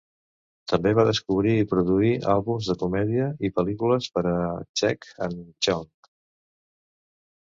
També va descobrir i produir àlbums de comèdia i pel·lícules per a "Cheech and Chong".